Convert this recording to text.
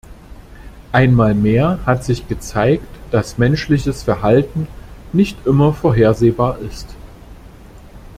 Einmal mehr hat sich gezeigt, dass menschliches Verhalten nicht immer vorhersehbar ist.